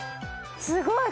すごい！